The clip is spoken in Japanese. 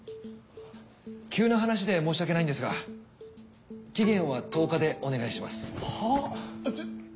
急な話で申し訳ないんですが期限は１０日でお願いします。